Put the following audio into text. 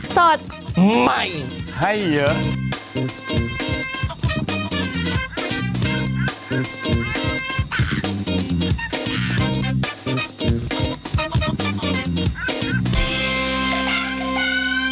ก็ได้ก็ได้